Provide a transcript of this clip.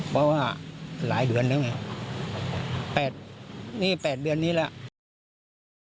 เพราะว่าหลายเดือนแล้วไงนี่๘เดือนนี้แล้ว